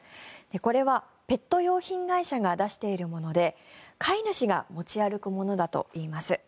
これはペット用品会社が出しているもので飼い主が持ち歩くものだといいます。